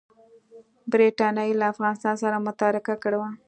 برټانیې له افغانستان سره متارکه کړې وه.